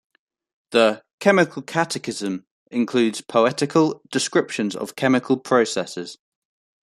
The "Chemical Catechism" includes poetical descriptions of chemical processes.